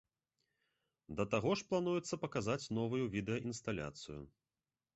Да таго ж плануецца паказаць новую відэаінсталяцыю.